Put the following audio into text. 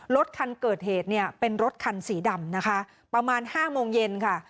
รถคันเกิดเหตุเนี่ยเป็นรถคันสีดำนะคะประมาณห้าโมงเย็นค่ะ